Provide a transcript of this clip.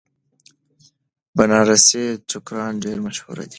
بنارسي ټوکران ډیر مشهور دي.